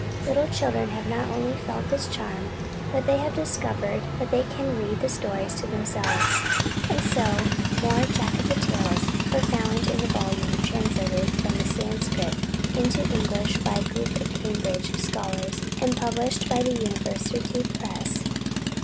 Little children have not only felt this charm, but they have discovered that they can read the stories to themselves. And so "More Jataka Tales" were found in the volume translated from the Sanskrit into English by a group of Cambridge scholars and published by the University Press.